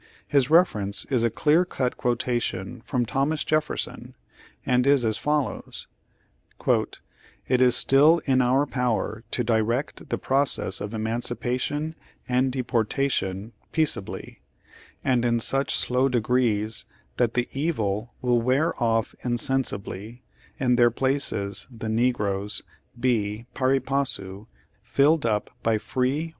His reference is a clear cut quotation from Thomas Jefferson, and is as follows: "It is still in our power to direct the process of eman cipation and deportation peaceably, and in such slow de grees that the evil will wear off insensibly, and their places (the negroes) be, fari passu, filled up by free white " Reminiscences of Abraham Lincoln.